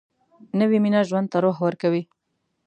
نوې مینه ژوند ته روح ورکوي